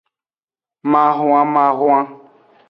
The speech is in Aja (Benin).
Mahwanmahwan.